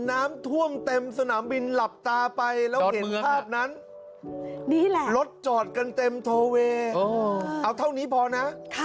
น้ำท่วมเต็มสนามบินหลับตาไปแล้วเห็นภาพนั้นรถจอดกันเต็มท่อเวย์เอาเท่านี้พอนะนี่แหละ